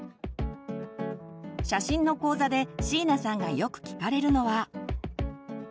写真の講座で椎名さんがよく聞かれるのは。